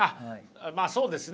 まあそうですね